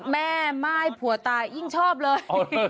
แม่ม่ายผัวตายยิ่งชอบเลย